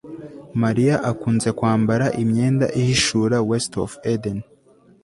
Mariya akunze kwambara imyenda ihishura WestofEden